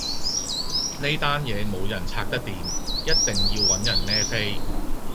呢單嘢冇人拆得掂，一定要搵人孭飛